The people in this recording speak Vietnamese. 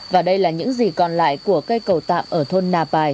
và đây là những gì còn lại của cây cầu tạm ở thôn nà pài